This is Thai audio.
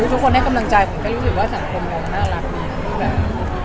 ทุกคนให้กำลังใจผมก็รู้สึกว่าสังคมมองน่ารักดีที่แบบ